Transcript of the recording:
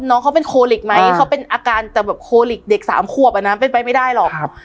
น้องเขาเป็นโคลิกไหมเขาเป็นอาการแต่แบบโคลิกเด็กสามขวบอ่ะนะเป็นไปไม่ได้หรอกครับ